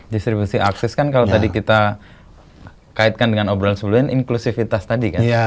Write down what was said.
distribusi akses kan kalau tadi kita kaitkan dengan obrolan sebelumnya inklusivitas tadi kan